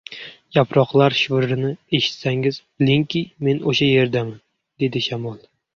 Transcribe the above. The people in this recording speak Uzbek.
– Yaproqlar shivirini eshitsangiz, bilingki, men oʻsha yerdaman, – dedi Shamol.